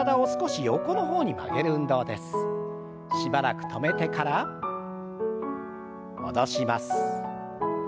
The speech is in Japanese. しばらく止めてから戻します。